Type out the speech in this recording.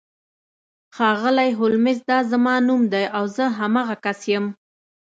ښاغلی هولمز دا زما نوم دی او زه همغه کس یم